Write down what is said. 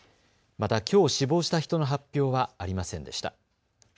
また、きょう死亡した人の発表はありませんでした。